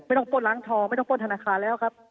ไม่ต้องป้นร้านทองไม่ต้องป้นธนาคารแล้วครับ